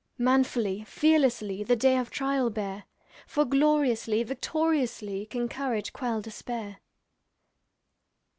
Manfully, fearlessly, The day of trial bear, For gloriously, victoriously, Can courage quell despair!